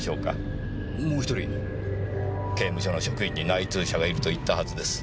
刑務所の職員に内通者がいると言ったはずです。